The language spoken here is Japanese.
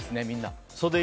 みんな。